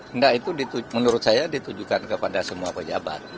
enggak itu menurut saya ditujukan kepada semua pejabat